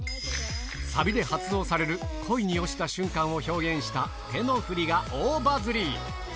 サビで発動される、恋に落ちた瞬間を表現した手の振りが大バズり。